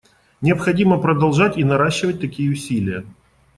Необходимо продолжать и наращивать такие усилия.